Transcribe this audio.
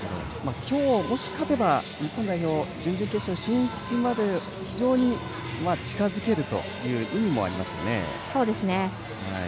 今日もし勝てば日本代表、準々決勝進出に非常に近づけるという意味もありますね。